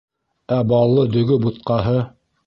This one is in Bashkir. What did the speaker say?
— Ә баллы дөгө бутҡаһы?